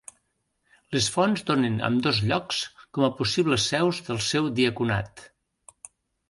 Les fonts donen ambdós llocs com a possibles seus del seu diaconat.